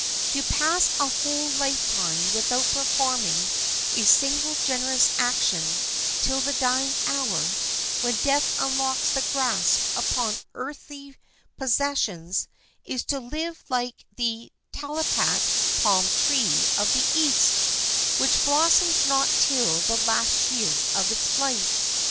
To pass a whole life time without performing a single generous action till the dying hour, when death unlocks the grasp upon earthly possessions, is to live like the Talipat palm tree of the East, which blossoms not till the last year of its life.